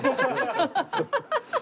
ハハハハハ！